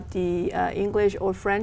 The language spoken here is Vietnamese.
và tất nhiên